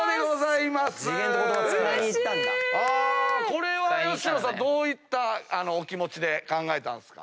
これは吉野さんどういったお気持ちで考えたんすか？